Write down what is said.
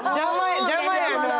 邪魔やなぁ。